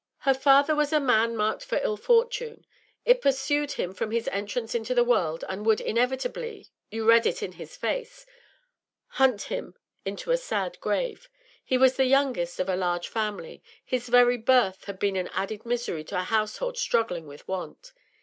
Her father was a man marked for ill fortune: it pursued him from his entrance into the world, and would inevitably you read it in his face hunt him into a sad grave. He was the youngest of a large family; his very birth had been an added misery to a household struggling with want.